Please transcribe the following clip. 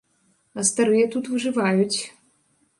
А старыя тут выжываюць.